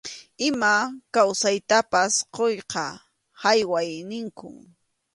Ima kawsaytapas quyqa hayway ninkum.